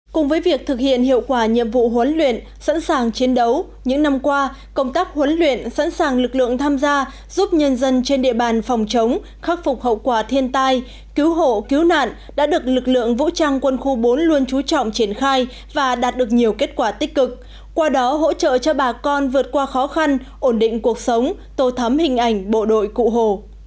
cùng với việc thực hiện hiệu quả nhiệm vụ huấn luyện sẵn sàng chiến đấu những năm qua công tác huấn luyện sẵn sàng lực lượng tham gia giúp nhân dân trên địa bàn phòng chống khắc phục hậu quả thiên tai cứu hộ cứu nạn đã được lực lượng vũ trang quân khu bốn luôn chú trọng triển khai và đạt được nhiều kết quả tích cực qua đó hỗ trợ cho bà con vượt qua khó khăn ổn định cuộc sống tô thắm hình ảnh bộ đội cụ hồ